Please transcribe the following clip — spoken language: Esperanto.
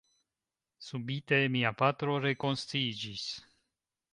Subite mia patro rekonsciiĝis.